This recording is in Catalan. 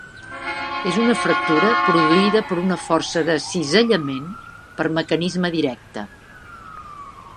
És una fractura produïda per una força de cisallament per mecanisme directe.